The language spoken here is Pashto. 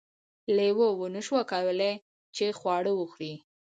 لیوه ونشوای کولی چې خواړه وخوري.